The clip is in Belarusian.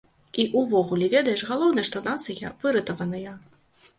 І ўвогуле, ведаеш, галоўнае, што нацыя выратаваная.